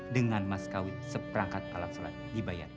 dengan mas kawit seperangkat alat sholat dibayar